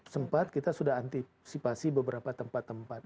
sempat kita sudah antisipasi beberapa tempat tempat